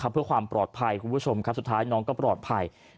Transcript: เพื่อความปลอดภัยคุณผู้ชมครับสุดท้ายน้องก็ปลอดภัย